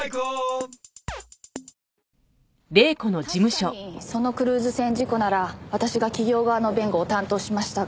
確かにそのクルーズ船事故なら私が企業側の弁護を担当しましたが。